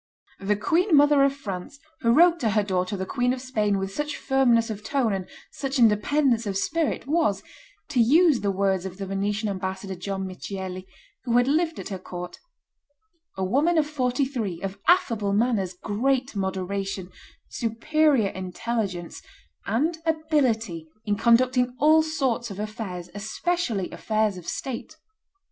The queen mother of France, who wrote to her daughter the Queen of Spain with such firmness of tone and such independence of spirit, was, to use the words of the Venetian ambassador John Michieli, who had lived at her court, "a woman of forty three, of affable manners, great moderation, superior intelligence, and ability in conducting all sorts of affairs, especially affairs of state.